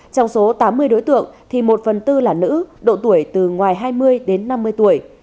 trong số tám mươi đối tượng thì một phần tư là nữ độ tuổi từ ngoài hai mươi đến năm mươi tuổi